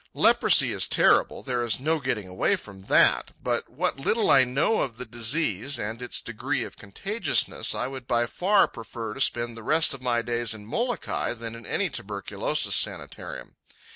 Leprosy is terrible, there is no getting away from that; but from what little I know of the disease and its degree of contagiousness, I would by far prefer to spend the rest of my days in Molokai than in any tuberculosis sanatorium.